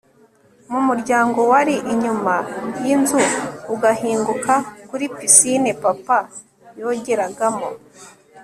mu muryango wari inyuma yinzu ugahinguka kuri pisine papa yogeragamo